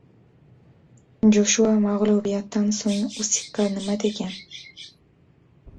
Joshua mag‘lubiyatdan so‘ng Usikka nima degan?